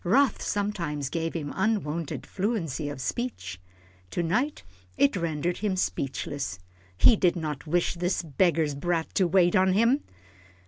Wrath sometimes gave him unwonted fluency of speech. To night it rendered him speechless. He did not wish this beggar's brat to wait on him.